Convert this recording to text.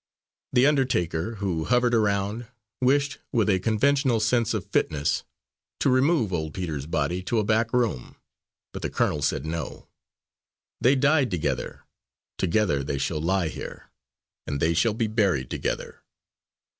The undertaker, who hovered around, wished, with a conventional sense of fitness, to remove old Peter's body to a back room. But the colonel said no. "They died together; together they shall lie here, and they shall be buried together."